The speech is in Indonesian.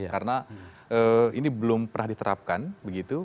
karena ini belum pernah diterapkan begitu